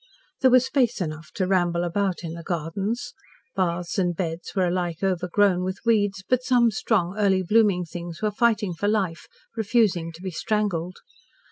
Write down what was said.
There was space enough to ramble about in the gardens. Paths and beds were alike overgrown with weeds, but some strong, early blooming things were fighting for life, refusing to be strangled.